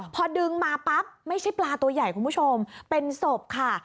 พอดึงมาปั๊บไม่ใช่ปลาตัวใหญ่คุณผู้ชมเป็นศพค่ะ